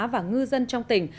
và ngư dân trong tỉnh